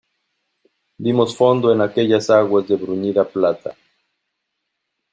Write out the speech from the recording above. dimos fondo en aquellas aguas de bruñida plata.